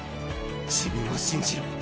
自分を信じろ。